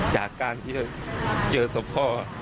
จากการที่เจอศพพ่อ